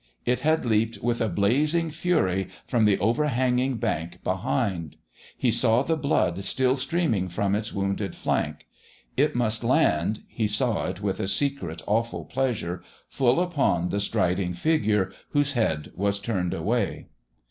It had leaped with a blazing fury from the overhanging bank behind; he saw the blood still streaming from its wounded flank. It must land he saw it with a secret, awful pleasure full upon the striding figure, whose head was turned away!